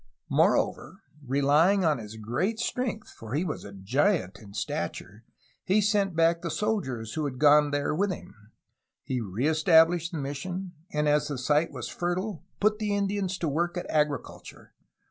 Moreover, re lying upon his great strength, for he was a giant in stature, he sent back the soldiers who had gone there with him. He reestablished the mission, and as the site was fertile put the Indians to work at agriculture.